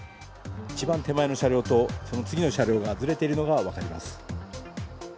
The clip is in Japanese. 一番手前の車両とその次の車両がずれているのが分かります。